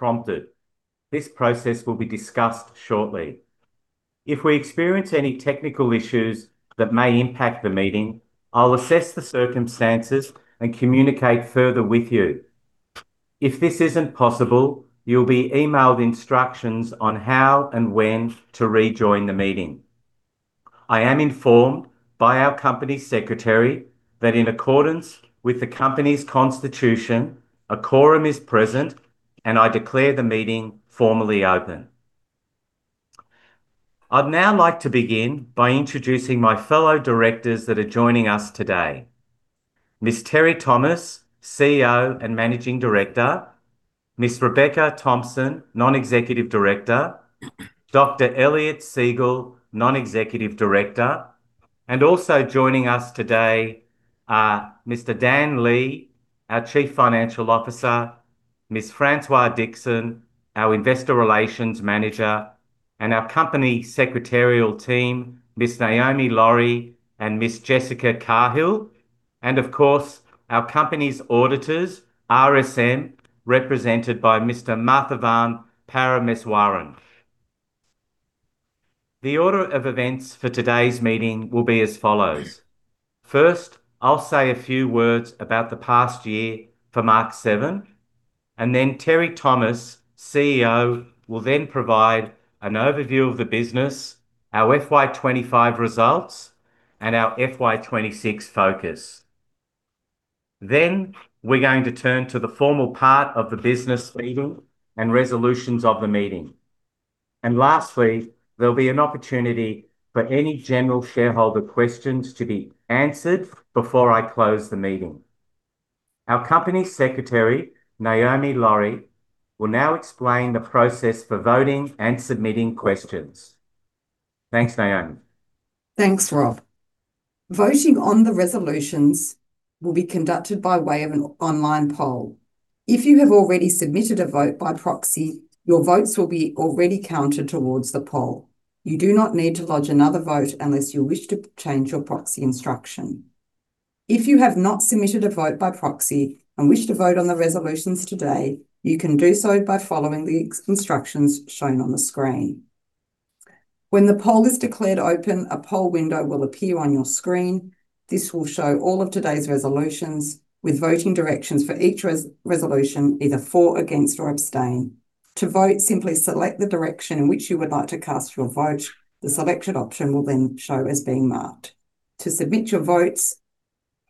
Prompted. This process will be discussed shortly. If we experience any technical issues that may impact the meeting, I'll assess the circumstances and communicate further with you. If this isn't possible, you'll be emailed instructions on how and when to rejoin the meeting. I am informed by our Company Secretary that, in accordance with the company's constitution, a quorum is present, and I declare the meeting formally open. I'd now like to begin by introducing my fellow directors that are joining us today: Ms. Teri Thomas, CEO and Managing Director; Ms. Rebecca Thompson, Non-Executive Director; Dr. Elliot Siegel, Non-Executive Director; and also joining us today are Mr. Dan Lee, our Chief Financial Officer; Ms. Françoise Dixon, our Investor Relations Manager; and our company secretarial team, Ms. Naomi Lawrie and Ms. Jessica Cahill; and, of course, our company's auditors, RSM, represented by Mr. Mathavan Parameswaran. The order of events for today's meeting will be as follows. First, I'll say a few words about the past year for Mach7, and then Teri Thomas, CEO, will then provide an overview of the business, our FY 2025 results, and our FY 2026 focus. We are going to turn to the formal part of the business meeting and resolutions of the meeting. Lastly, there'll be an opportunity for any general shareholder questions to be answered before I close the meeting. Our Company Secretary, Naomi Lawrie, will now explain the process for voting and submitting questions. Thanks, Naomi. Thanks, Rob. Voting on the resolutions will be conducted by way of an online poll. If you have already submitted a vote by proxy, your votes will be already counted towards the poll. You do not need to lodge another vote unless you wish to change your proxy instruction. If you have not submitted a vote by proxy and wish to vote on the resolutions today, you can do so by following the instructions shown on the screen. When the poll is declared open, a poll window will appear on your screen. This will show all of today's resolutions with voting directions for each resolution, either for, against, or abstain. To vote, simply select the direction in which you would like to cast your vote. The selected option will then show as being marked. To submit your votes,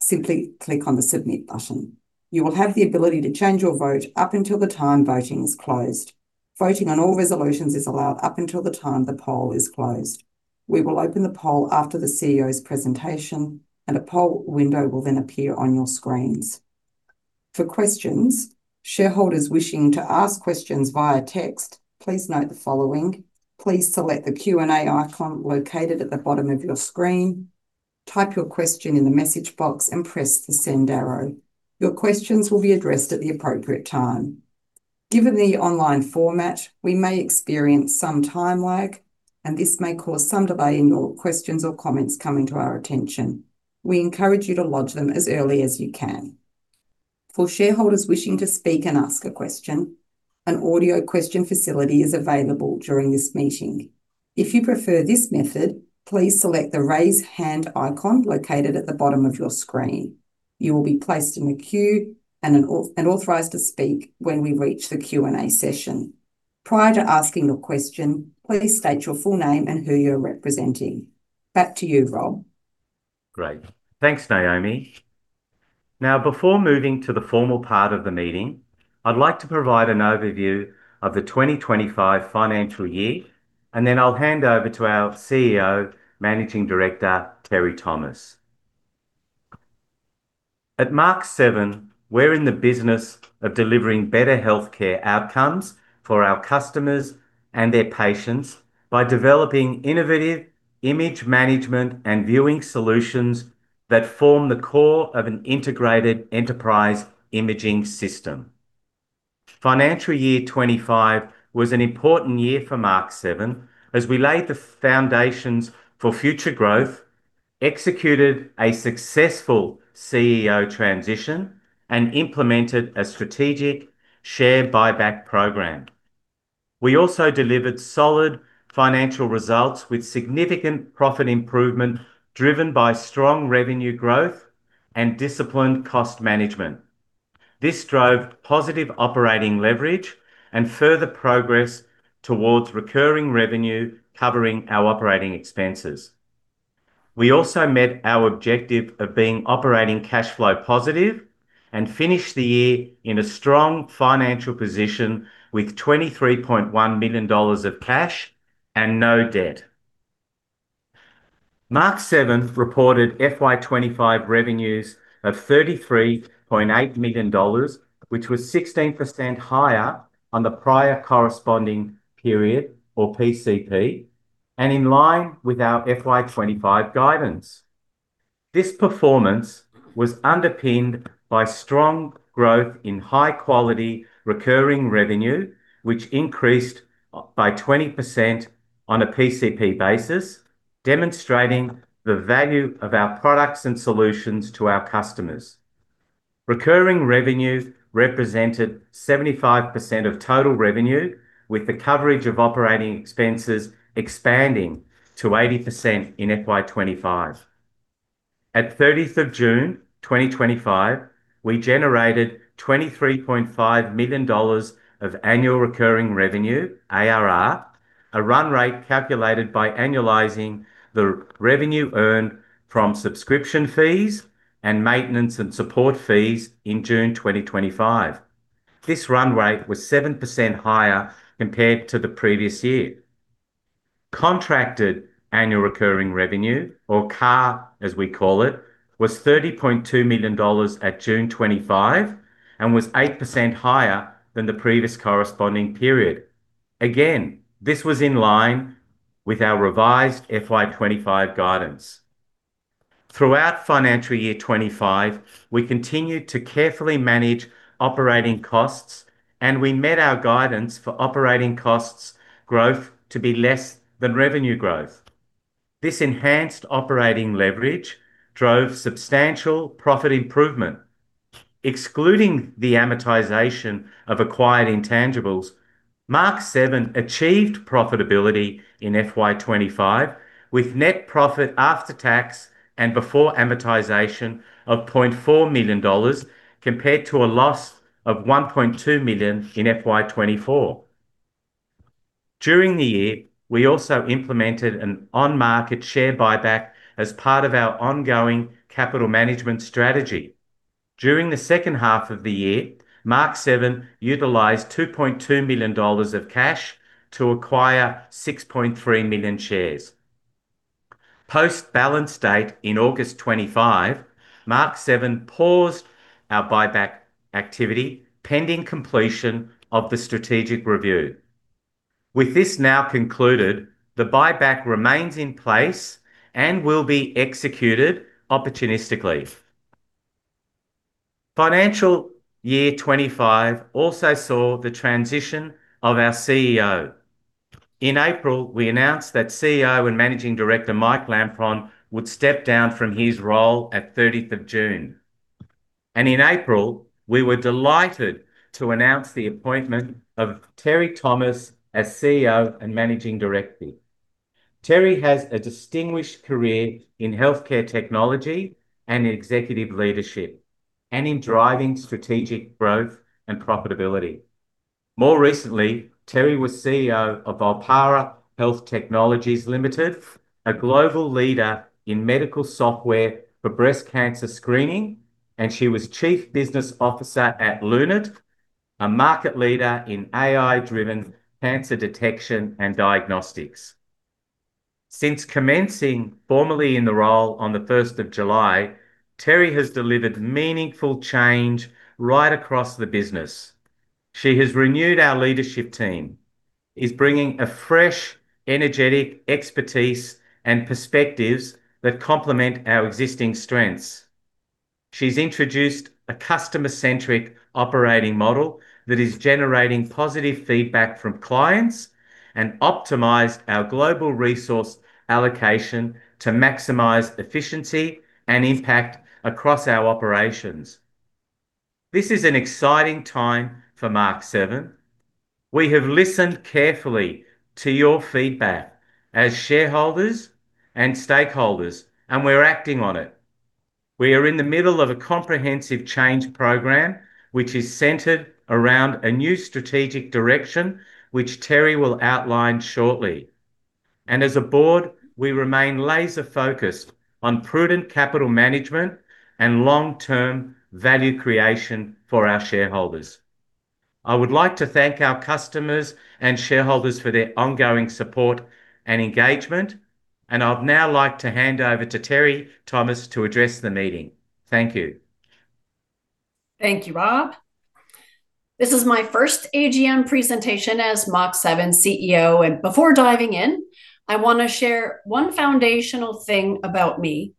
simply click on the Submit button. You will have the ability to change your vote up until the time voting is closed. Voting on all resolutions is allowed up until the time the poll is closed. We will open the poll after the CEO's presentation, and a poll window will then appear on your screens. For questions, shareholders wishing to ask questions via text, please note the following: please select the Q&A icon located at the bottom of your screen, type your question in the message box, and press the send arrow. Your questions will be addressed at the appropriate time. Given the online format, we may experience some time lag, and this may cause some delay in your questions or comments coming to our attention. We encourage you to lodge them as early as you can. For shareholders wishing to speak and ask a question, an audio question facility is available during this meeting. If you prefer this method, please select the raise hand icon located at the bottom of your screen. You will be placed in a queue and authorized to speak when we reach the Q&A session. Prior to asking your question, please state your full name and who you are representing. Back to you, Rob. Great. Thanks, Naomi. Now, before moving to the formal part of the meeting, I'd like to provide an overview of the 2025 financial year, and then I'll hand over to our CEO, Managing Director, Teri Thomas. At Mach7, we're in the business of delivering better healthcare outcomes for our customers and their patients by developing innovative image management and viewing solutions that form the core of an integrated enterprise imaging system. Financial year 2025 was an important year for Mach7 as we laid the foundations for future growth, executed a successful CEO transition, and implemented a strategic share buyback program. We also delivered solid financial results with significant profit improvement driven by strong revenue growth and disciplined cost management. This drove positive operating leverage and further progress towards recurring revenue covering our operating expenses. We also met our objective of being operating cash flow positive and finished the year in a strong financial position with 23.1 million dollars of cash and no debt. Mach7 reported FY 2025 revenues of 33.8 million dollars, which was 16% higher on the prior corresponding period, or PCP, and in line with our FY 2025 guidance. This performance was underpinned by strong growth in high-quality recurring revenue, which increased by 20% on a PCP basis, demonstrating the value of our products and solutions to our customers. Recurring revenue represented 75% of total revenue, with the coverage of operating expenses expanding to 80% in FY 2025. At 30 June 2025, we generated 23.5 million dollars of annual recurring revenue, ARR, a run rate calculated by annualizing the revenue earned from subscription fees and maintenance and support fees in June 2025. This run rate was 7% higher compared to the previous year. Contracted annual recurring revenue, or CAR, as we call it, was 30.2 million dollars at June 25 and was 8% higher than the previous corresponding period. Again, this was in line with our revised FY 2025 guidance. Throughout financial year 2025, we continued to carefully manage operating costs, and we met our guidance for operating costs growth to be less than revenue growth. This enhanced operating leverage drove substantial profit improvement. Excluding the amortization of acquired intangibles, Mach7 achieved profitability in FY 2025 with net profit after tax and before amortization of 0.4 million dollars compared to a loss of 1.2 million in FY 2024. During the year, we also implemented an on-market share buyback as part of our ongoing capital management strategy. During the second half of the year, Mach7 utilized 2.2 million dollars of cash to acquire 6.3 million shares. Post-balance date in August 25, Mach7 paused our buyback activity pending completion of the strategic review. With this now concluded, the buyback remains in place and will be executed opportunistically. Financial year 2025 also saw the transition of our CEO. In April, we announced that CEO and Managing Director Mike Lampron would step down from his role at 30th of June. In April, we were delighted to announce the appointment of Teri Thomas as CEO and Managing Director. Teri has a distinguished career in healthcare technology and executive leadership, and in driving strategic growth and profitability. More recently, Teri was CEO of Volpara Health Technologies Limited, a global leader in medical software for breast cancer screening, and she was Chief Business Officer at Lunit, a market leader in AI-driven cancer detection and diagnostics. Since commencing formally in the role on 1st of July, Teri has delivered meaningful change right across the business. She has renewed our leadership team, is bringing a fresh, energetic expertise and perspectives that complement our existing strengths. She's introduced a customer-centric operating model that is generating positive feedback from clients and optimized our global resource allocation to maximize efficiency and impact across our operations. This is an exciting time for Mach7. We have listened carefully to your feedback as shareholders and stakeholders, and we are acting on it. We are in the middle of a comprehensive change program, which is centered around a new strategic direction, which Teri will outline shortly. As a board, we remain laser-focused on prudent capital management and long-term value creation for our shareholders. I would like to thank our customers and shareholders for their ongoing support and engagement, and I'd now like to hand over to Teri Thomas to address the meeting. Thank you. Thank you, Rob. This is my first AGM presentation as Mach7 CEO, and before diving in, I want to share one foundational thing about me.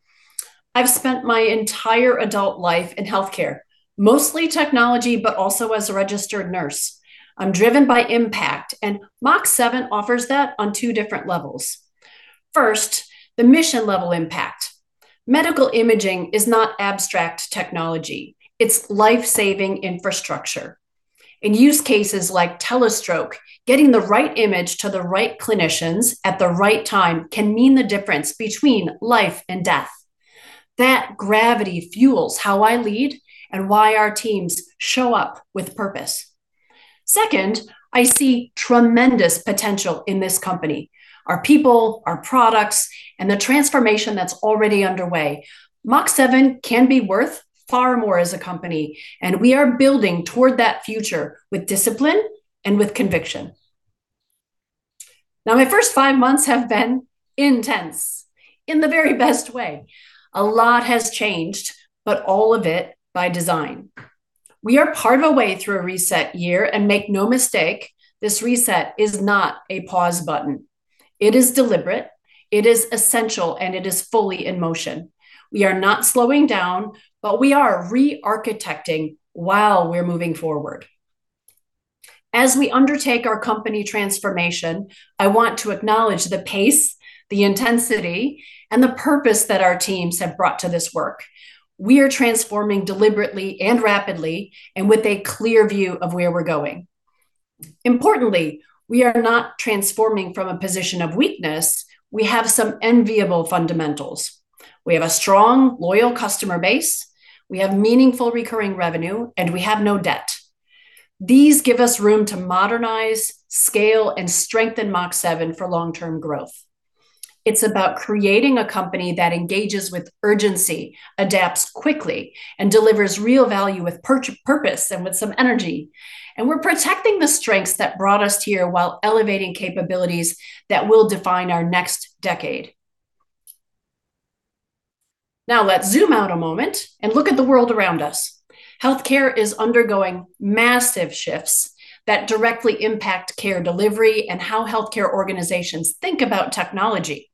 I've spent my entire adult life in healthcare, mostly technology, but also as a registered nurse. I'm driven by impact, and Mach7 offers that on two different levels. First, the mission-level impact. Medical imaging is not abstract technology. It's life-saving infrastructure. In use cases like telestroke, getting the right image to the right clinicians at the right time can mean the difference between life and death. That gravity fuels how I lead and why our teams show up with purpose. Second, I see tremendous potential in this company: our people, our products, and the transformation that's already underway. Mach7 can be worth far more as a company, and we are building toward that future with discipline and with conviction. Now, my first five months have been intense in the very best way. A lot has changed, but all of it by design. We are part of a way through a reset year, and make no mistake, this reset is not a pause button. It is deliberate. It is essential, and it is fully in motion. We are not slowing down, but we are re-architecting while we're moving forward. As we undertake our company transformation, I want to acknowledge the pace, the intensity, and the purpose that our teams have brought to this work. We are transforming deliberately and rapidly and with a clear view of where we're going. Importantly, we are not transforming from a position of weakness. We have some enviable fundamentals. We have a strong, loyal customer base. We have meaningful recurring revenue, and we have no debt. These give us room to modernize, scale, and strengthen Mach7 for long-term growth. It is about creating a company that engages with urgency, adapts quickly, and delivers real value with purpose and with some energy. We are protecting the strengths that brought us here while elevating capabilities that will define our next decade. Now, let's zoom out a moment and look at the world around us. Healthcare is undergoing massive shifts that directly impact care delivery and how healthcare organizations think about technology.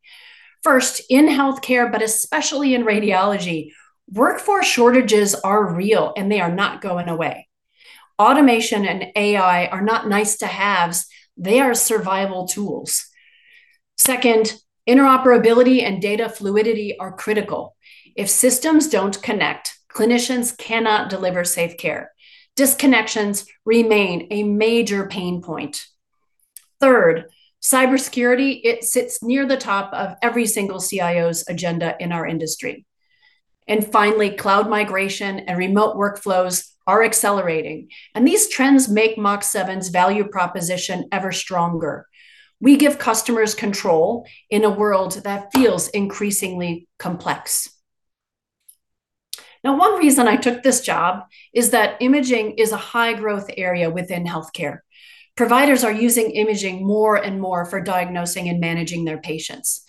First, in healthcare, but especially in radiology, workforce shortages are real, and they are not going away. Automation and AI are not nice-to-haves. They are survival tools. Second, interoperability and data fluidity are critical. If systems do not connect, clinicians cannot deliver safe care. Disconnections remain a major pain point. Third, cybersecurity sits near the top of every single CIO's agenda in our industry. Finally, cloud migration and remote workflows are accelerating, and these trends make Mach7's value proposition ever stronger. We give customers control in a world that feels increasingly complex. Now, one reason I took this job is that imaging is a high-growth area within healthcare. Providers are using imaging more and more for diagnosing and managing their patients.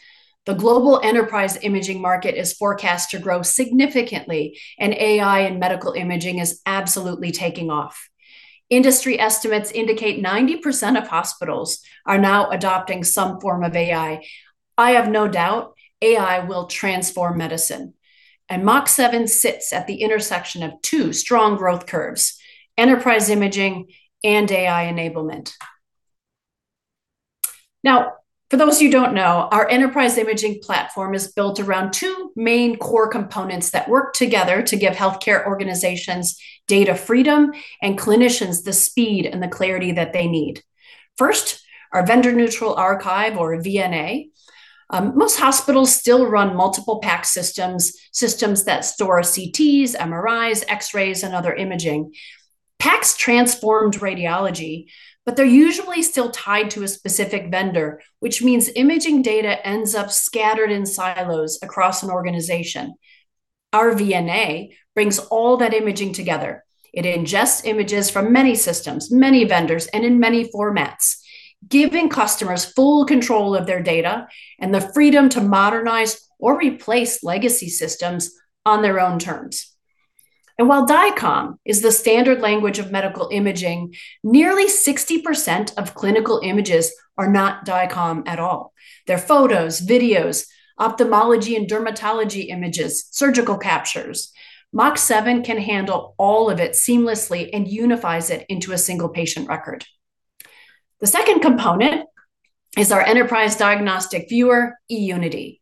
The global enterprise imaging market is forecast to grow significantly, and AI in medical imaging is absolutely taking off. Industry estimates indicate 90% of hospitals are now adopting some form of AI. I have no doubt AI will transform medicine. Mach7 sits at the intersection of two strong growth curves: enterprise imaging and AI enablement. Now, for those who do not know, our enterprise imaging platform is built around two main core components that work together to give healthcare organizations data freedom and clinicians the speed and the clarity that they need. First, our vendor-neutral archive, or VNA. Most hospitals still run multiple PACS systems, systems that store CTs, MRIs, X-rays, and other imaging. PACS transformed radiology, but they're usually still tied to a specific vendor, which means imaging data ends up scattered in silos across an organization. Our VNA brings all that imaging together. It ingests images from many systems, many vendors, and in many formats, giving customers full control of their data and the freedom to modernize or replace legacy systems on their own terms. While DICOM is the standard language of medical imaging, nearly 60% of clinical images are not DICOM at all. They're photos, videos, ophthalmology and dermatology images, surgical captures. Mach7 can handle all of it seamlessly and unifies it into a single patient record. The second component is our enterprise diagnostic viewer, eUnity.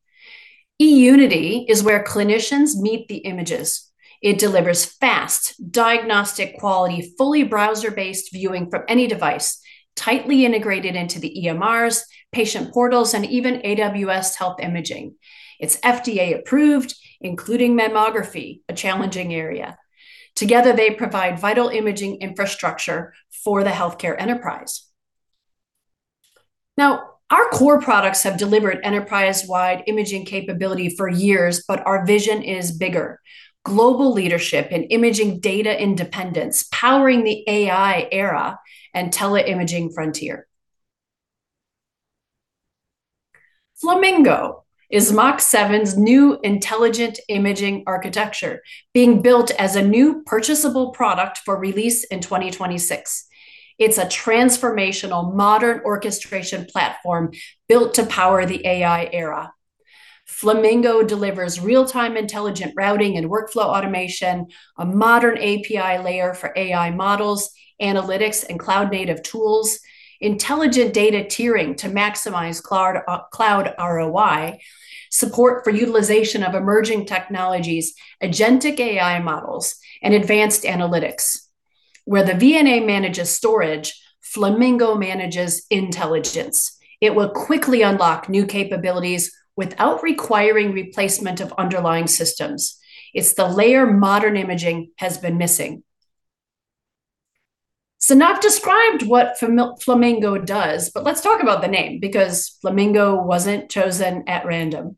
eUnity is where clinicians meet the images. It delivers fast, diagnostic-quality, fully browser-based viewing from any device, tightly integrated into the EMRs, patient portals, and even AWS Health Imaging. It is FDA-approved, including mammography, a challenging area. Together, they provide vital imaging infrastructure for the healthcare enterprise. Now, our core products have delivered enterprise-wide imaging capability for years, but our vision is bigger: global leadership in imaging data independence, powering the AI era and teleimaging frontier. Flamingo is Mach7's new intelligent imaging architecture, being built as a new purchasable product for release in 2026. It is a transformational, modern orchestration platform built to power the AI era. Flamingo delivers real-time intelligent routing and workflow automation, a modern API layer for AI models, analytics, and cloud-native tools, intelligent data tiering to maximize cloud ROI, support for utilization of emerging technologies, agentic AI models, and advanced analytics. Where the VNA manages storage, Flamingo manages intelligence. It will quickly unlock new capabilities without requiring replacement of underlying systems. It is the layer modern imaging has been missing. I have not described what Flamingo does, but let's talk about the name because Flamingo was not chosen at random.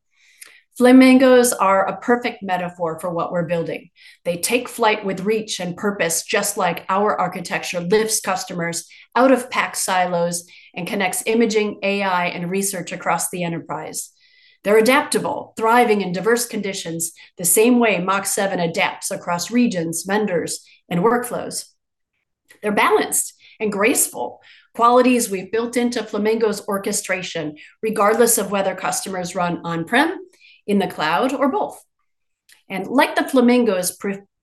Flamingos are a perfect metaphor for what we are building. They take flight with reach and purpose, just like our architecture lifts customers out of PACS silos and connects imaging, AI, and research across the enterprise. They are adaptable, thriving in diverse conditions, the same way Mach7 adapts across regions, vendors, and workflows. They are balanced and graceful, qualities we have built into Flamingo's orchestration, regardless of whether customers run on-prem, in the cloud, or both. Like the flamingo's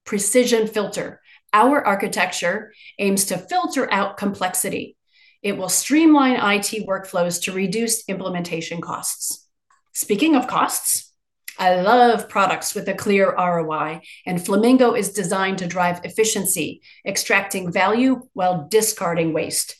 precision filter, our architecture aims to filter out complexity. It will streamline IT workflows to reduce implementation costs. Speaking of costs, I love products with a clear ROI, and Flamingo is designed to drive efficiency, extracting value while discarding waste.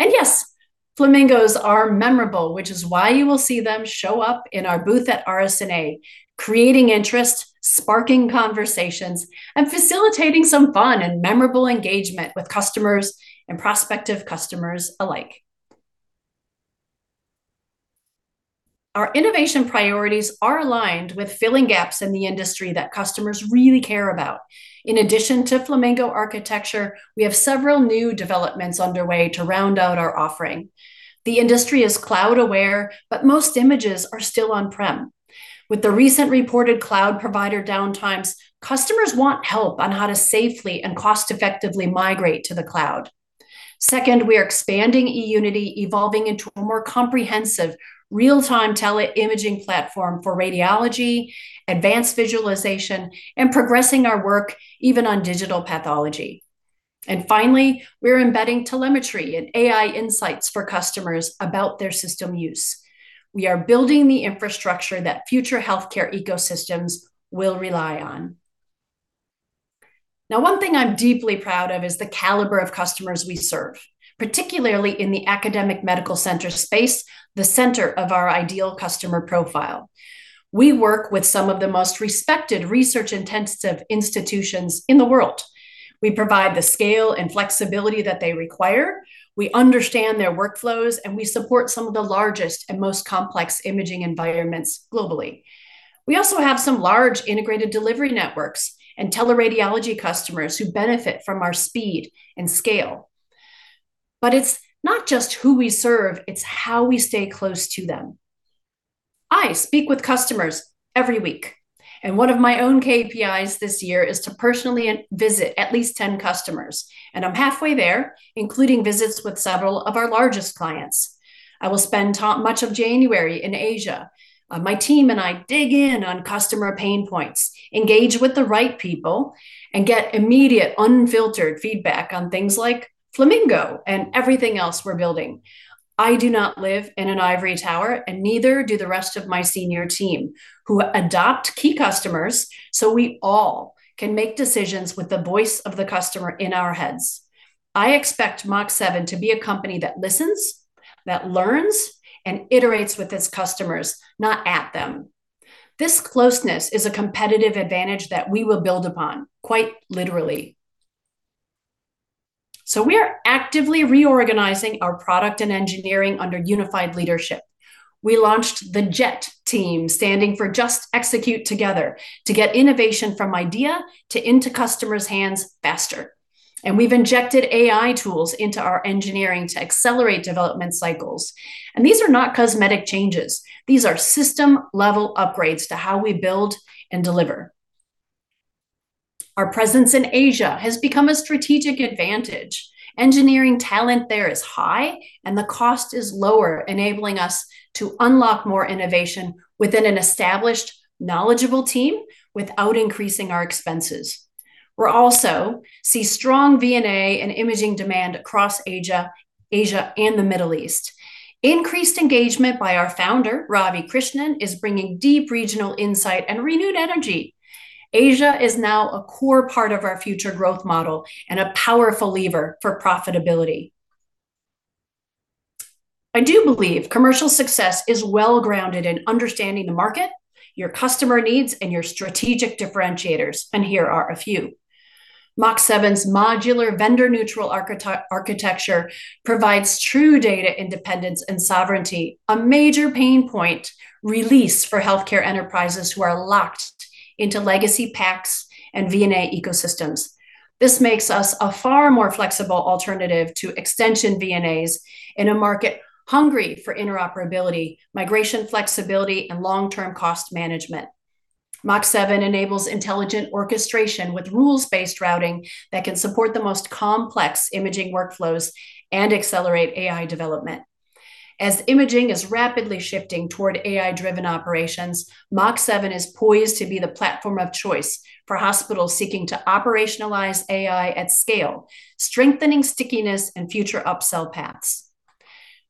Yes, flamingos are memorable, which is why you will see them show up in our booth at RSNA, creating interest, sparking conversations, and facilitating some fun and memorable engagement with customers and prospective customers alike. Our innovation priorities are aligned with filling gaps in the industry that customers really care about. In addition to Flamingo architecture, we have several new developments underway to round out our offering. The industry is cloud-aware, but most images are still on-prem. With the recent reported cloud provider downtimes, customers want help on how to safely and cost-effectively migrate to the cloud. Second, we are expanding eUnity, evolving into a more comprehensive real-time teleimaging platform for radiology, advanced visualization, and progressing our work even on digital pathology. Finally, we're embedding telemetry and AI insights for customers about their system use. We are building the infrastructure that future healthcare ecosystems will rely on. One thing I'm deeply proud of is the caliber of customers we serve, particularly in the academic medical center space, the center of our ideal customer profile. We work with some of the most respected research-intensive institutions in the world. We provide the scale and flexibility that they require. We understand their workflows, and we support some of the largest and most complex imaging environments globally. We also have some large integrated delivery networks and teleradiology customers who benefit from our speed and scale. It is not just who we serve. It is how we stay close to them. I speak with customers every week, and one of my own KPIs this year is to personally visit at least 10 customers, and I'm halfway there, including visits with several of our largest clients. I will spend much of January in Asia. My team and I dig in on customer pain points, engage with the right people, and get immediate, unfiltered feedback on things like Flamingo and everything else we're building. I do not live in an ivory tower, and neither do the rest of my senior team, who adopt key customers so we all can make decisions with the voice of the customer in our heads. I expect Mach7 to be a company that listens, that learns, and iterates with its customers, not at them. This closeness is a competitive advantage that we will build upon, quite literally. We are actively reorganizing our product and engineering under unified leadership. We launched the JET team, standing for Just Execute Together, to get innovation from idea into customers' hands faster. We have injected AI tools into our engineering to accelerate development cycles. These are not cosmetic changes. These are system-level upgrades to how we build and deliver. Our presence in Asia has become a strategic advantage. Engineering talent there is high, and the cost is lower, enabling us to unlock more innovation within an established, knowledgeable team without increasing our expenses. We are also seeing strong VNA and imaging demand across Asia and the Middle East. Increased engagement by our founder, Ravi Krishnan, is bringing deep regional insight and renewed energy. Asia is now a core part of our future growth model and a powerful lever for profitability. I do believe commercial success is well grounded in understanding the market, your customer needs, and your strategic differentiators, and here are a few. Mach7's modular vendor-neutral architecture provides true data independence and sovereignty, a major pain point release for healthcare enterprises who are locked into legacy PACS and VNA ecosystems. This makes us a far more flexible alternative to extension VNAs in a market hungry for interoperability, migration flexibility, and long-term cost management. Mach7 enables intelligent orchestration with rules-based routing that can support the most complex imaging workflows and accelerate AI development. As imaging is rapidly shifting toward AI-driven operations, Mach7 is poised to be the platform of choice for hospitals seeking to operationalize AI at scale, strengthening stickiness and future upsell paths.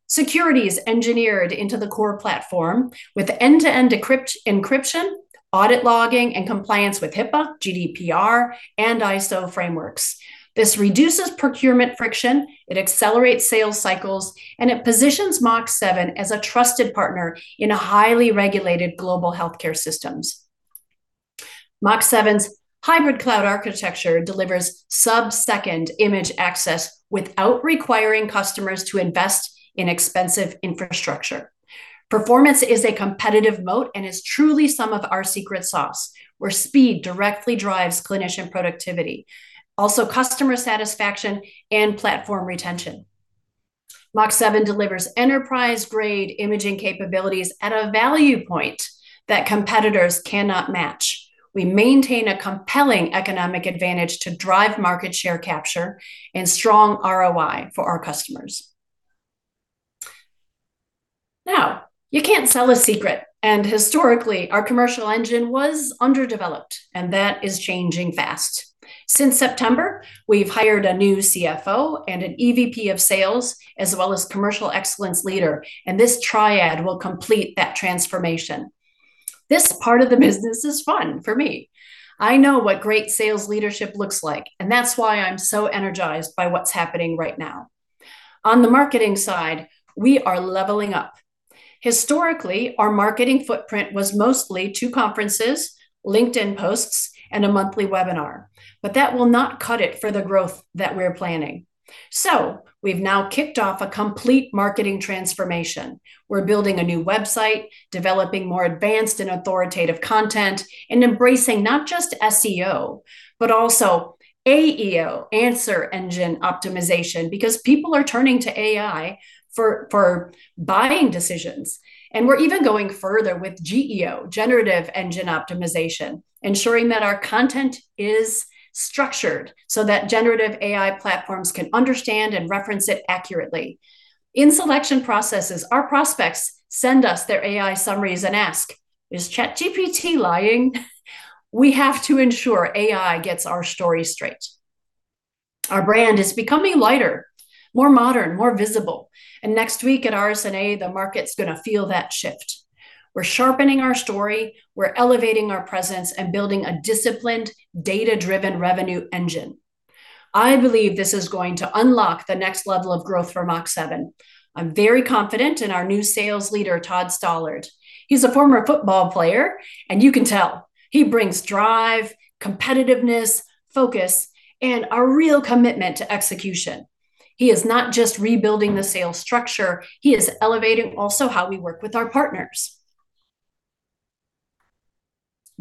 Security is engineered into the core platform with end-to-end encryption, audit logging, and compliance with HIPAA, GDPR, and ISO frameworks. This reduces procurement friction, it accelerates sales cycles, and it positions Mach7 as a trusted partner in highly regulated global healthcare systems. Mach7's hybrid cloud architecture delivers sub-second image access without requiring customers to invest in expensive infrastructure. Performance is a competitive moat and is truly some of our secret sauce, where speed directly drives clinician productivity, also customer satisfaction and platform retention. Mach7 delivers enterprise-grade imaging capabilities at a value point that competitors cannot match. We maintain a compelling economic advantage to drive market share capture and strong ROI for our customers. Now, you can't sell a secret, and historically, our commercial engine was underdeveloped, and that is changing fast. Since September, we've hired a new CFO and an EVP of sales, as well as commercial excellence leader, and this triad will complete that transformation. This part of the business is fun for me. I know what great sales leadership looks like, and that's why I'm so energized by what's happening right now. On the marketing side, we are leveling up. Historically, our marketing footprint was mostly two conferences, LinkedIn posts, and a monthly webinar, but that will not cut it for the growth that we're planning. We have now kicked off a complete marketing transformation. We're building a new website, developing more advanced and authoritative content, and embracing not just SEO, but also AEO, Answer Engine Optimization, because people are turning to AI for buying decisions. We are even going further with GEO, Generative Engine Optimization, ensuring that our content is structured so that generative AI platforms can understand and reference it accurately. In selection processes, our prospects send us their AI summaries and ask, "Is ChatGPT lying?" We have to ensure AI gets our story straight. Our brand is becoming lighter, more modern, more visible. Next week at RSNA, the market's going to feel that shift. We're sharpening our story. We're elevating our presence and building a disciplined, data-driven revenue engine. I believe this is going to unlock the next level of growth for Mach7. I'm very confident in our new sales leader, Todd Stallard. He's a former football player, and you can tell. He brings drive, competitiveness, focus, and a real commitment to execution. He is not just rebuilding the sales structure. He is elevating also how we work with our partners.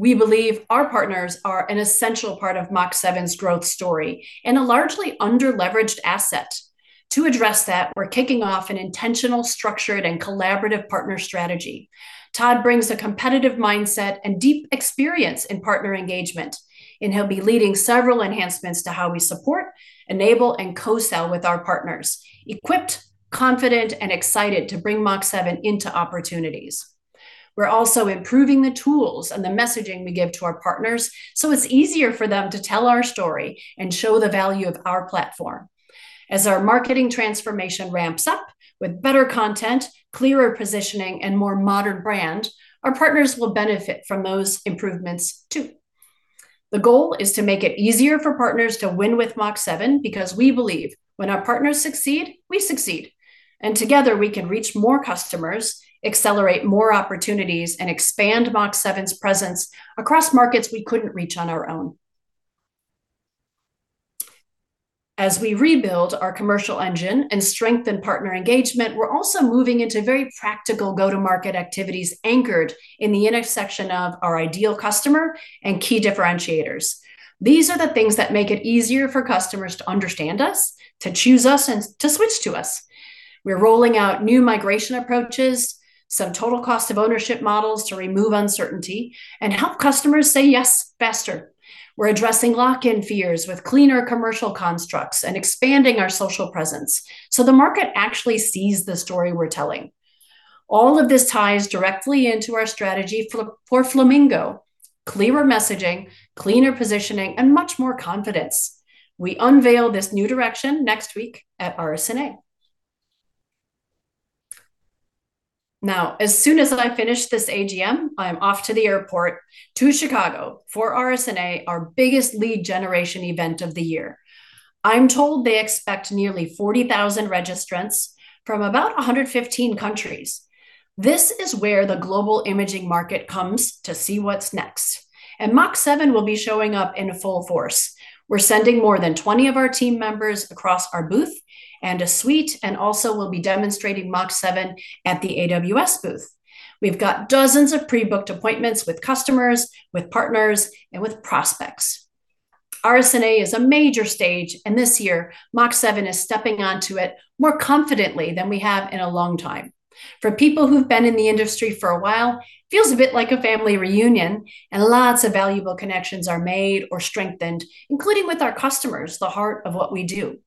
We believe our partners are an essential part of Mach7's growth story and a largely underleveraged asset. To address that, we're kicking off an intentional, structured, and collaborative partner strategy. Todd brings a competitive mindset and deep experience in partner engagement, and he'll be leading several enhancements to how we support, enable, and co-sell with our partners, equipped, confident, and excited to bring Mach7 into opportunities. We are also improving the tools and the messaging we give to our partners so it's easier for them to tell our story and show the value of our platform. As our marketing transformation ramps up with better content, clearer positioning, and more modern brand, our partners will benefit from those improvements too. The goal is to make it easier for partners to win with Mach7 because we believe when our partners succeed, we succeed. Together, we can reach more customers, accelerate more opportunities, and expand Mach7's presence across markets we could not reach on our own. As we rebuild our commercial engine and strengthen partner engagement, we're also moving into very practical go-to-market activities anchored in the intersection of our ideal customer and key differentiators. These are the things that make it easier for customers to understand us, to choose us, and to switch to us. We're rolling out new migration approaches, some total cost of ownership models to remove uncertainty, and help customers say yes faster. We're addressing lock-in fears with cleaner commercial constructs and expanding our social presence so the market actually sees the story we're telling. All of this ties directly into our strategy for Flamingo—clearer messaging, cleaner positioning, and much more confidence. We unveil this new direction next week at RSNA. Now, as soon as I finish this AGM, I'm off to the airport to Chicago for RSNA, our biggest lead generation event of the year. I'm told they expect nearly 40,000 registrants from about 115 countries. This is where the global imaging market comes to see what's next. Mach7 will be showing up in full force. We're sending more than 20 of our team members across our booth and a suite, and also we'll be demonstrating Mach7 at the AWS booth. We've got dozens of pre-booked appointments with customers, with partners, and with prospects. RSNA is a major stage, and this year, Mach7 is stepping onto it more confidently than we have in a long time. For people who've been in the industry for a while, it feels a bit like a family reunion, and lots of valuable connections are made or strengthened, including with our customers, the heart of what we do.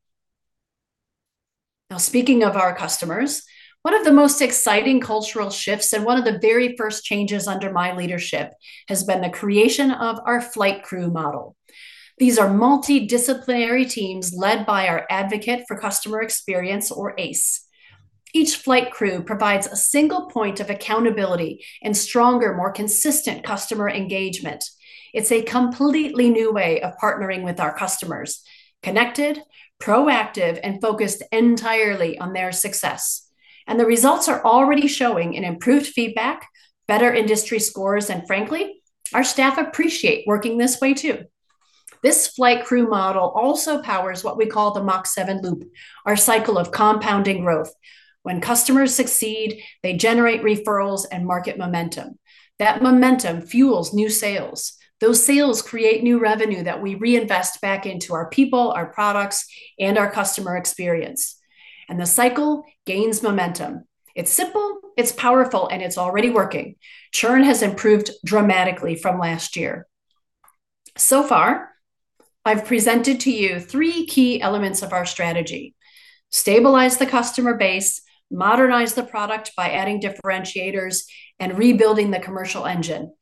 Now, speaking of our customers, one of the most exciting cultural shifts and one of the very first changes under my leadership has been the creation of our flight crew model. These are multidisciplinary teams led by our Advocate for Customer Experience, or ACE. Each flight crew provides a single point of accountability and stronger, more consistent customer engagement. It is a completely new way of partnering with our customers—connected, proactive, and focused entirely on their success. The results are already showing in improved feedback, better industry scores, and frankly, our staff appreciate working this way too. This flight crew model also powers what we call the Mach7 loop, our cycle of compounding growth. When customers succeed, they generate referrals and market momentum. That momentum fuels new sales. Those sales create new revenue that we reinvest back into our people, our products, and our customer experience. The cycle gains momentum. It's simple, it's powerful, and it's already working. Churn has improved dramatically from last year. So far, I've presented to you three key elements of our strategy: stabilize the customer base, modernize the product by adding differentiators, and rebuilding the commercial engine.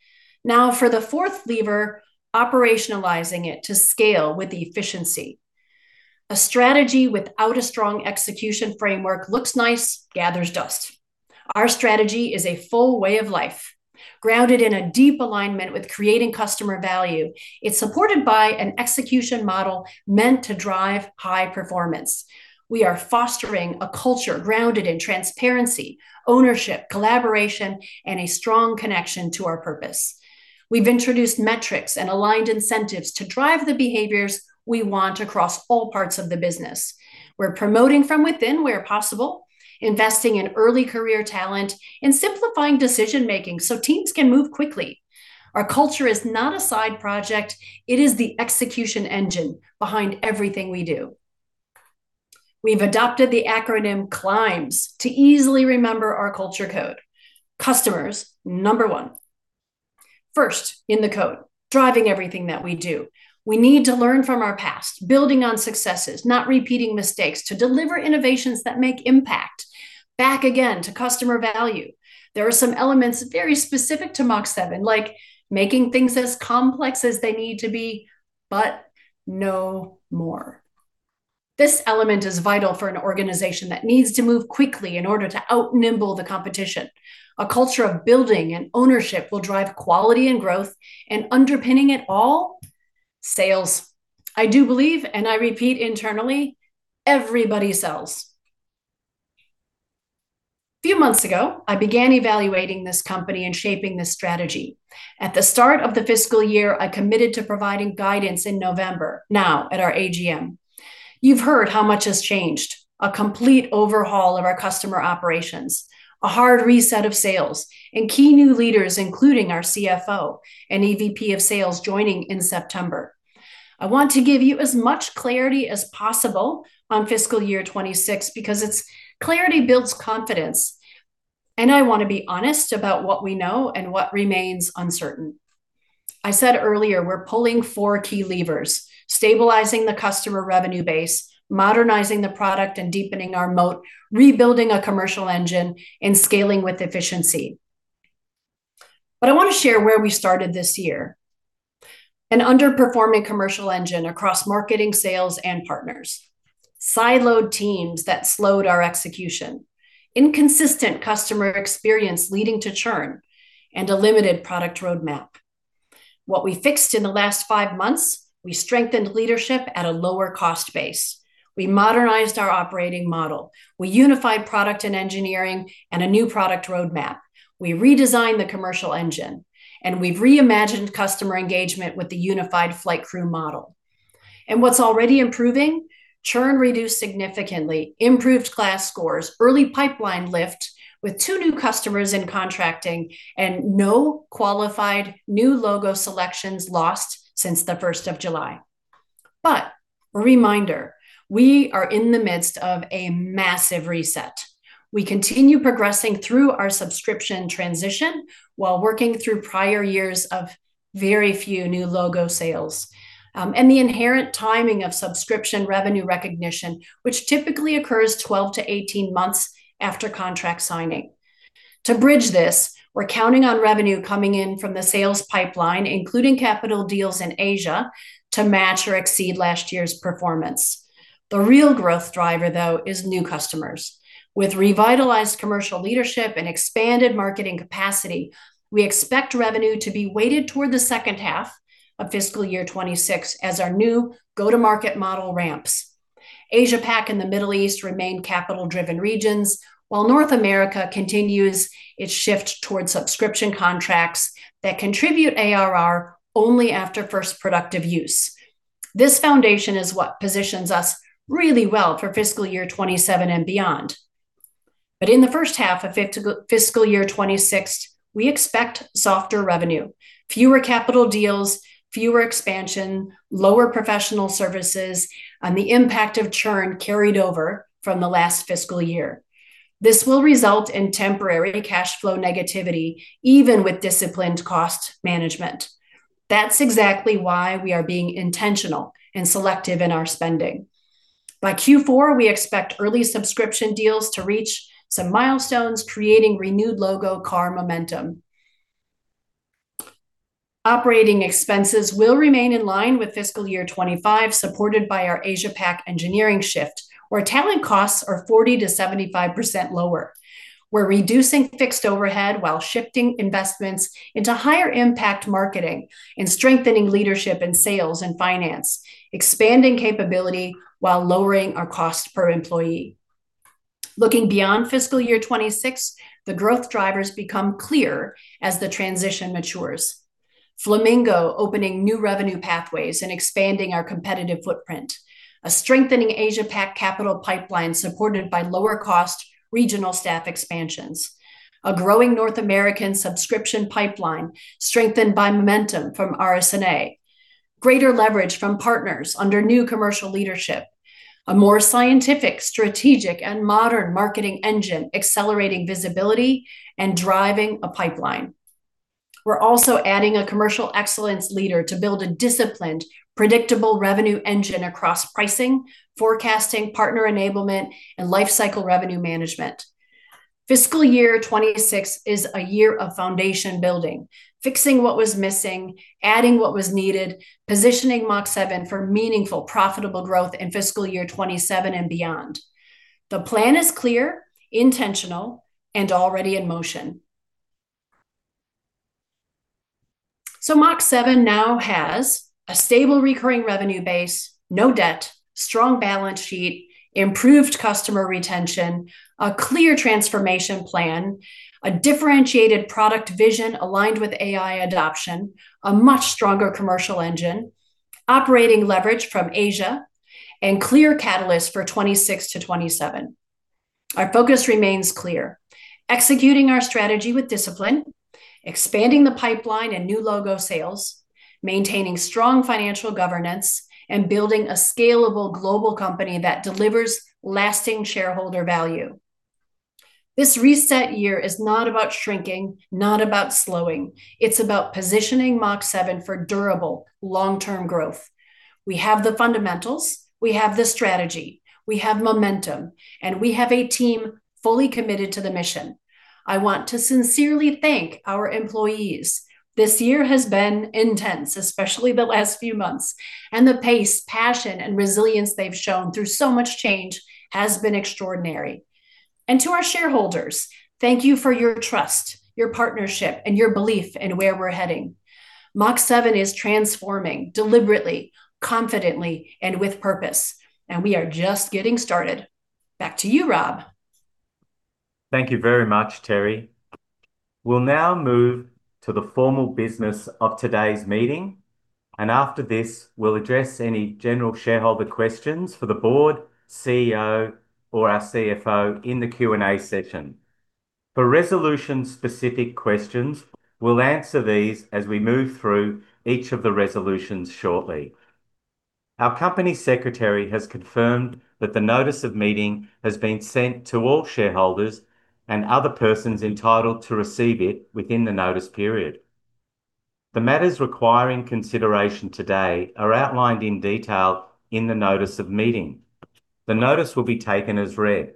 Now, for the fourth lever, operationalizing it to scale with efficiency. A strategy without a strong execution framework looks nice, gathers dust. Our strategy is a full way of life, grounded in a deep alignment with creating customer value. It's supported by an execution model meant to drive high performance. We are fostering a culture grounded in transparency, ownership, collaboration, and a strong connection to our purpose. We've introduced metrics and aligned incentives to drive the behaviors we want across all parts of the business. We're promoting from within where possible, investing in early career talent, and simplifying decision-making so teams can move quickly. Our culture is not a side project. It is the execution engine behind everything we do. We've adopted the acronym CLIMBS to easily remember our culture code. Customers, number one. First in the code, driving everything that we do. We need to learn from our past, building on successes, not repeating mistakes to deliver innovations that make impact. Back again to customer value. There are some elements very specific to Mach7, like making things as complex as they need to be, but no more. This element is vital for an organization that needs to move quickly in order to out-nimble the competition. A culture of building and ownership will drive quality and growth, and underpinning it all, sales. I do believe, and I repeat internally, everybody sells. A few months ago, I began evaluating this company and shaping this strategy. At the start of the fiscal year, I committed to providing guidance in November, now at our AGM. You've heard how much has changed: a complete overhaul of our customer operations, a hard reset of sales, and key new leaders, including our CFO and EVP of sales joining in September. I want to give you as much clarity as possible on fiscal year 2026 because clarity builds confidence, and I want to be honest about what we know and what remains uncertain. I said earlier we're pulling four key levers: stabilizing the customer revenue base, modernizing the product and deepening our moat, rebuilding a commercial engine, and scaling with efficiency. I want to share where we started this year: an underperforming commercial engine across marketing, sales, and partners, siloed teams that slowed our execution, inconsistent customer experience leading to churn, and a limited product roadmap. What we fixed in the last five months: we strengthened leadership at a lower cost base. We modernized our operating model. We unified product and engineering and a new product roadmap. We redesigned the commercial engine, and we have reimagined customer engagement with the unified flight crew model. What's already improving? Churn reduced significantly, improved class scores, early pipeline lift with two new customers in contracting, and no qualified new logo selections lost since the 1st of July. A reminder, we are in the midst of a massive reset. We continue progressing through our subscription transition while working through prior years of very few new logo sales and the inherent timing of subscription revenue recognition, which typically occurs 12-18 months after contract signing. To bridge this, we're counting on revenue coming in from the sales pipeline, including capital deals in Asia, to match or exceed last year's performance. The real growth driver, though, is new customers. With revitalized commercial leadership and expanded marketing capacity, we expect revenue to be weighted toward the second half of fiscal year 2026 as our new go-to-market model ramps. Asia-Pac and the Middle East remain capital-driven regions, while North America continues its shift toward subscription contracts that contribute ARR only after first productive use. This foundation is what positions us really well for fiscal year 2027 and beyond. In the first half of fiscal year 2026, we expect softer revenue, fewer capital deals, fewer expansion, lower professional services, and the impact of churn carried over from the last fiscal year. This will result in temporary cash flow negativity, even with disciplined cost management. That is exactly why we are being intentional and selective in our spending. By Q4, we expect early subscription deals to reach some milestones, creating renewed logo CAR momentum. Operating expenses will remain in line with fiscal year 2025, supported by our Asia-Pac engineering shift, where talent costs are 40-75% lower. We are reducing fixed overhead while shifting investments into higher impact marketing and strengthening leadership in sales and finance, expanding capability while lowering our cost per employee. Looking beyond fiscal year 2026, the growth drivers become clear as the transition matures. Flamingo opening new revenue pathways and expanding our competitive footprint. A strengthening Asia-Pac capital pipeline supported by lower-cost regional staff expansions. A growing North American subscription pipeline strengthened by momentum from RSNA. Greater leverage from partners under new commercial leadership. A more scientific, strategic, and modern marketing engine accelerating visibility and driving a pipeline. We’re also adding a commercial excellence leader to build a disciplined, predictable revenue engine across pricing, forecasting, partner enablement, and life cycle revenue management. Fiscal year 2026 is a year of foundation building, fixing what was missing, adding what was needed, positioning Mach7 for meaningful, profitable growth in fiscal year 2027 and beyond. The plan is clear, intentional, and already in motion. Mach7 now has a stable, recurring revenue base, no debt, strong balance sheet, improved customer retention, a clear transformation plan, a differentiated product vision aligned with AI adoption, a much stronger commercial engine, operating leverage from Asia, and clear catalysts for 2026 to 2027. Our focus remains clear: executing our strategy with discipline, expanding the pipeline and new logo sales, maintaining strong financial governance, and building a scalable global company that delivers lasting shareholder value. This reset year is not about shrinking, not about slowing. It is about positioning Mach7 for durable, long-term growth. We have the fundamentals. We have the strategy. We have momentum. We have a team fully committed to the mission. I want to sincerely thank our employees. This year has been intense, especially the last few months. The pace, passion, and resilience they have shown through so much change has been extraordinary. To our shareholders, thank you for your trust, your partnership, and your belief in where we're heading. Mach7 is transforming deliberately, confidently, and with purpose. We are just getting started. Back to you, Rob. Thank you very much, Teri. We'll now move to the formal business of today's meeting. After this, we'll address any general shareholder questions for the board, CEO, or our CFO in the Q&A session. For resolution-specific questions, we'll answer these as we move through each of the resolutions shortly. Our Company Secretary has confirmed that the notice of meeting has been sent to all shareholders and other persons entitled to receive it within the notice period. The matters requiring consideration today are outlined in detail in the notice of meeting. The notice will be taken as read.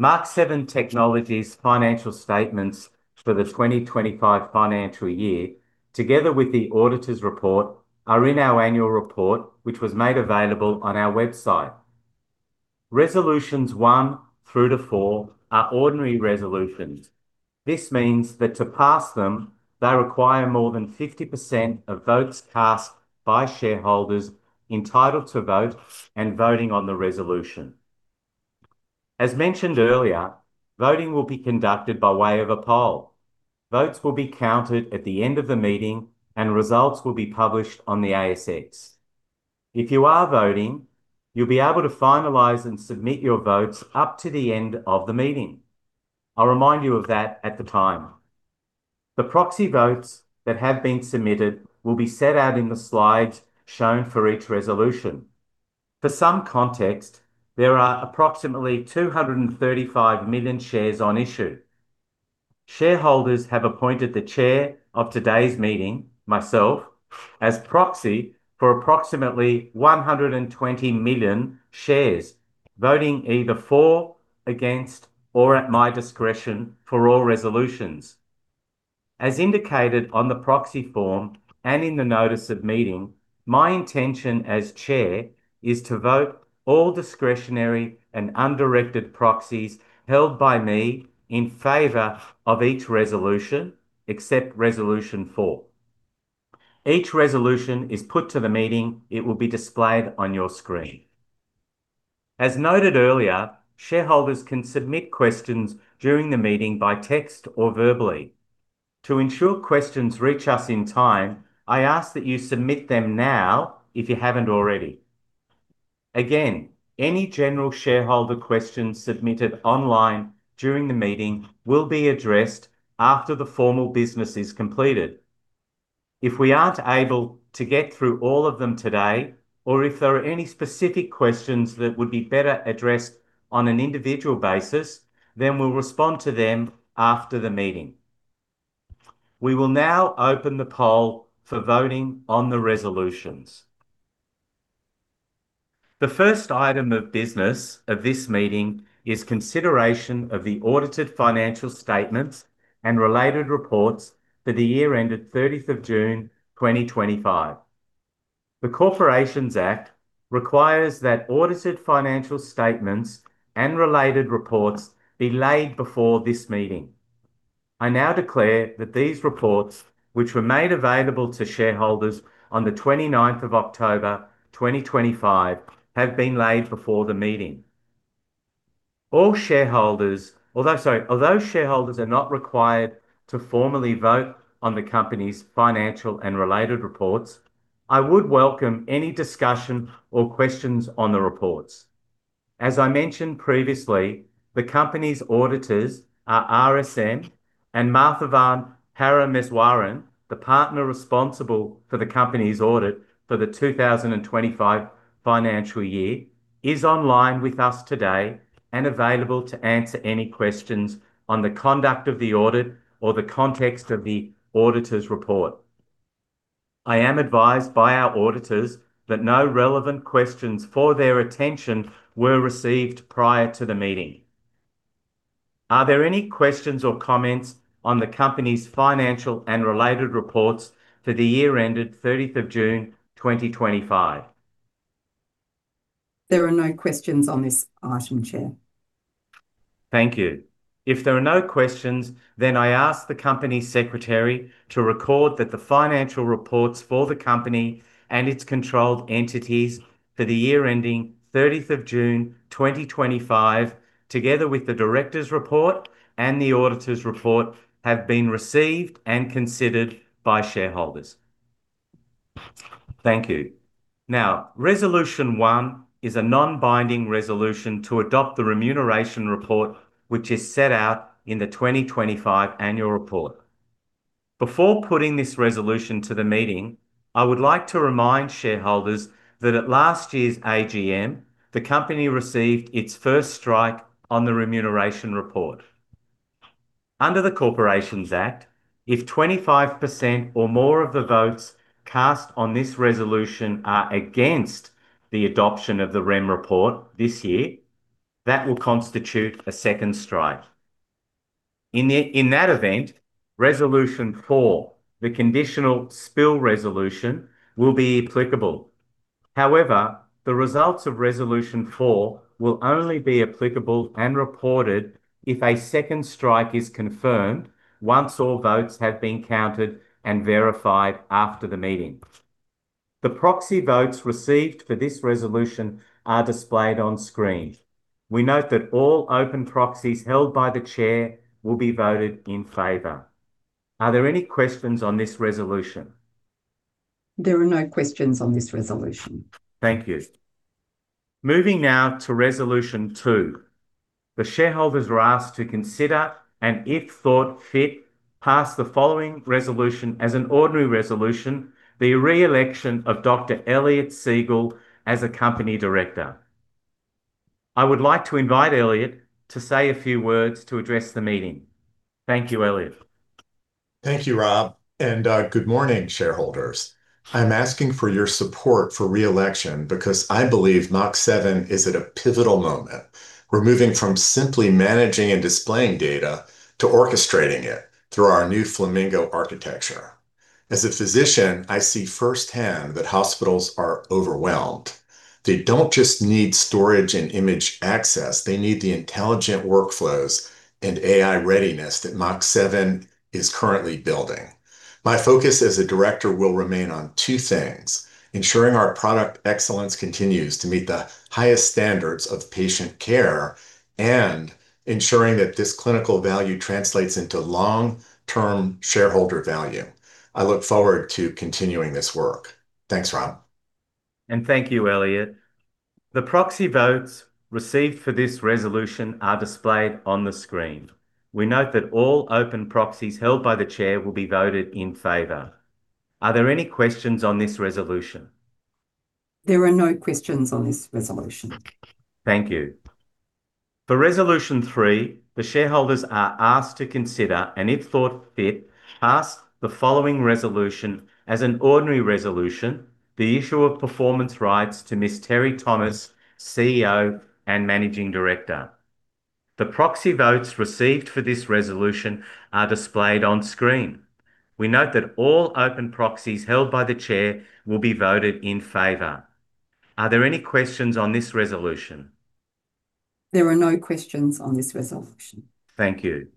Mach7 Technologies' financial statements for the 2025 financial year, together with the auditor's report, are in our annual report, which was made available on our website. Resolutions 1 through to 4 are ordinary resolutions. This means that to pass them, they require more than 50% of votes cast by shareholders entitled to vote and voting on the resolution. As mentioned earlier, voting will be conducted by way of a poll. Votes will be counted at the end of the meeting, and results will be published on the ASX. If you are voting, you'll be able to finalize and submit your votes up to the end of the meeting. I'll remind you of that at the time. The proxy votes that have been submitted will be set out in the slides shown for each resolution. For some context, there are approximately 235 million shares on issue. Shareholders have appointed the Chair of today's meeting, myself, as proxy for approximately 120 million shares, voting either for, against, or at my discretion for all resolutions. As indicated on the proxy form and in the notice of meeting, my intention as Chair is to vote all discretionary and undirected proxies held by me in favor of each resolution, except Resolution 4. Each resolution is put to the meeting. It will be displayed on your screen. As noted earlier, shareholders can submit questions during the meeting by text or verbally. To ensure questions reach us in time, I ask that you submit them now if you have not already. Again, any general shareholder questions submitted online during the meeting will be addressed after the formal business is completed. If we aren't able to get through all of them today, or if there are any specific questions that would be better addressed on an individual basis, then we'll respond to them after the meeting. We will now open the poll for voting on the resolutions. The first item of business of this meeting is consideration of the audited financial statements and related reports for the year ended 30th of June 2025. The Corporations Act requires that audited financial statements and related reports be laid before this meeting. I now declare that these reports, which were made available to shareholders on 29th of October 2025, have been laid before the meeting. Although shareholders are not required to formally vote on the company's financial and related reports, I would welcome any discussion or questions on the reports. As I mentioned previously, the company's auditors, RSM and Mathavan Parameswaran, the partner responsible for the company's audit for the 2025 financial year, is online with us today and available to answer any questions on the conduct of the audit or the context of the auditor's report. I am advised by our auditors that no relevant questions for their attention were received prior to the meeting. Are there any questions or comments on the company's financial and related reports for the year ended 30th of June 2025? There are no questions on this item, Chair. Thank you. If there are no questions, then I ask the Company Secretary to record that the financial reports for the company and its controlled entities for the year ending 30 June 2025, together with the Director's report and the Auditor's report, have been received and considered by shareholders. Thank you. Now, Resolution 1 is a non-binding resolution to adopt the remuneration report, which is set out in the 2025 annual report. Before putting this resolution to the meeting, I would like to remind shareholders that at last year's AGM, the company received its first strike on the remuneration report. Under the Corporations Act, if 25% or more of the votes cast on this resolution are against the adoption of the remuneration report this year, that will constitute a second strike. In that event, Resolution 4, the conditional spill resolution, will be applicable. However, the results of Resolution 4 will only be applicable and reported if a second strike is confirmed once all votes have been counted and verified after the meeting. The proxy votes received for this resolution are displayed on screen. We note that all open proxies held by the Chair will be voted in favor. Are there any questions on this resolution? There are no questions on this resolution. Thank you. Moving now to Resolution 2. The shareholders are asked to consider and, if thought fit, pass the following resolution as an ordinary resolution: the re-election of Dr. Elliot Siegel as a company director. I would like to invite Elliot to say a few words to address the meeting. Thank you, Elliot. Thank you, Rob. And good morning, shareholders. I'm asking for your support for re-election because I believe Mach7 is at a pivotal moment, we're moving from simply managing and displaying data to orchestrating it through our new Flamingo architecture. As a physician, I see firsthand that hospitals are overwhelmed. They don't just need storage and image access; they need the intelligent workflows and AI readiness that Mach7 is currently building. My focus as a director will remain on two things: ensuring our product excellence continues to meet the highest standards of patient care and ensuring that this clinical value translates into long-term shareholder value. I look forward to continuing this work. Thanks, Rob. Thank you, Elliot. The proxy votes received for this resolution are displayed on the screen. We note that all open proxies held by the chair will be voted in favor. Are there any questions on this resolution? There are no questions on this resolution. Thank you. For Resolution 3, the shareholders are asked to consider and, if thought fit, pass the following resolution as an ordinary resolution: the issue of performance rights to Ms. Teri Thomas, CEO and Managing Director. The proxy votes received for this resolution are displayed on screen. We note that all open proxies held by the chair will be voted in favor. Are there any questions on this resolution? There are no questions on this resolution. Thank you.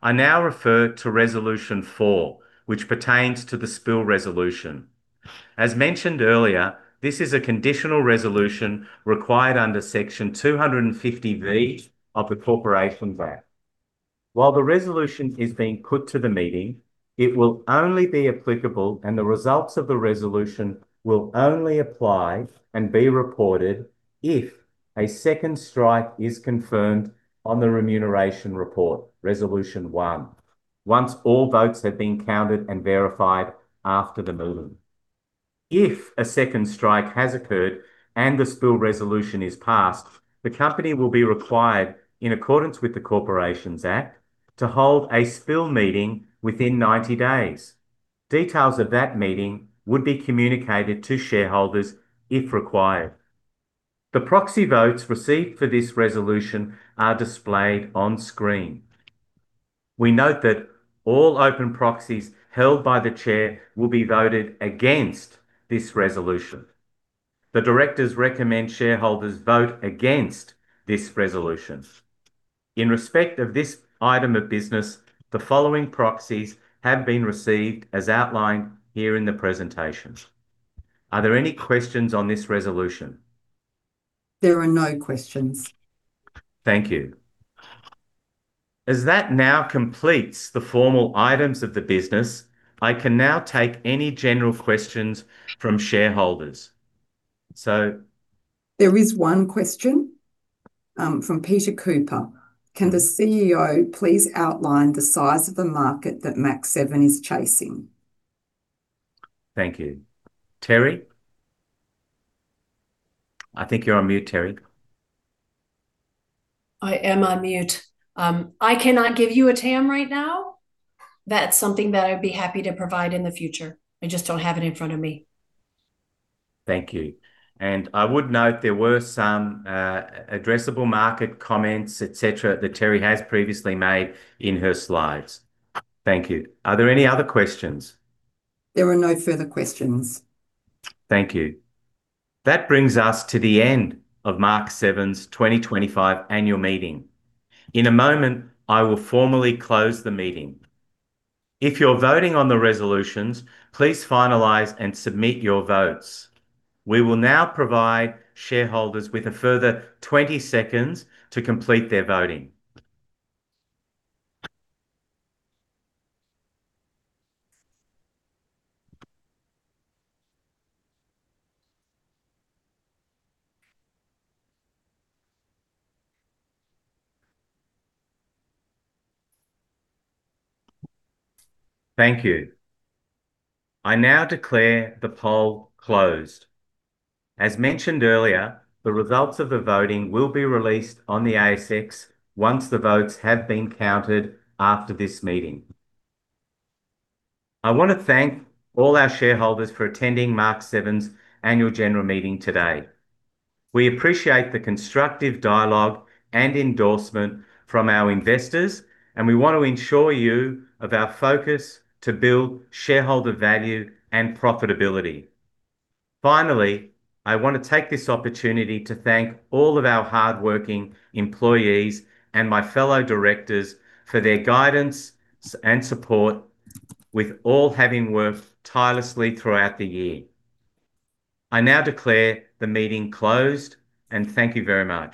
I now refer to Resolution 4, which pertains to the spill resolution. As mentioned earlier, this is a conditional resolution required under Section 250V of the Corporations Act. While the resolution is being put to the meeting, it will only be applicable, and the results of the resolution will only apply and be reported if a second strike is confirmed on the remuneration report, Resolution 1, once all votes have been counted and verified after the meeting. If a second strike has occurred and the spill resolution is passed, the company will be required, in accordance with the Corporations Act, to hold a spill meeting within 90 days. Details of that meeting would be communicated to shareholders if required. The proxy votes received for this resolution are displayed on screen. We note that all open proxies held by the chair will be voted against this resolution. The directors recommend shareholders vote against this resolution. In respect of this item of business, the following proxies have been received as outlined here in the presentation. Are there any questions on this resolution? There are no questions. Thank you. As that now completes the formal items of the business, I can now take any general questions from shareholders. There is one question from Peter Cooper. Can the CEO please outline the size of the market that Mach7 is chasing? Thank you. Teri? I think you're on mute, Teri. I am on mute. I cannot give you a TAM right now. That's something that I'd be happy to provide in the future. I just don't have it in front of me. Thank you. I would note there were some addressable market comments, etc., that Teri has previously made in her slides. Thank you. Are there any other questions? There are no further questions. Thank you. That brings us to the end of Mach7's 2025 annual meeting. In a moment, I will formally close the meeting. If you're voting on the resolutions, please finalize and submit your votes. We will now provide shareholders with a further 20 seconds to complete their voting. Thank you. I now declare the poll closed. As mentioned earlier, the results of the voting will be released on the ASX once the votes have been counted after this meeting. I want to thank all our shareholders for attending Mach7's Annual General Meeting today. We appreciate the constructive dialogue and endorsement from our investors, and we want to ensure you of our focus to build shareholder value and profitability. Finally, I want to take this opportunity to thank all of our hardworking employees and my fellow directors for their guidance and support, with all having worked tirelessly throughout the year. I now declare the meeting closed, and thank you very much.